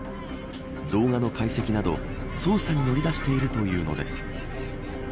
動画の解析など捜査に乗り出しているというのです。